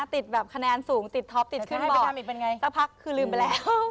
ติดแบบคะแนนสูงติดท็อปติดขึ้นมอดำอีกเป็นไงสักพักคือลืมไปแล้ว